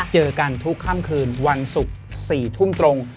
เจอกันทุกค่ำคืนวันศุกร์๔ทุ่มตรง